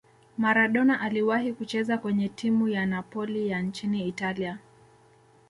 maradona aliwahi kucheza kwenye timu ya napoli ya nchini italia